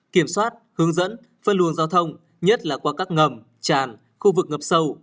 kiểm soát hướng dẫn phân luồng giao thông nhất là qua các ngầm tràn khu vực ngập sâu